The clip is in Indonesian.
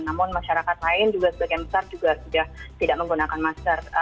namun masyarakat lain juga sebagian besar juga sudah tidak menggunakan masker